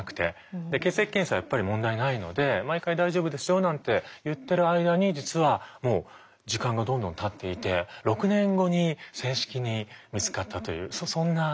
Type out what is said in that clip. で血液検査はやっぱり問題ないので毎回「大丈夫ですよ」なんて言ってる間に実はもう時間がどんどんたっていて６年後に正式に見つかったというそんな経緯だったんですね。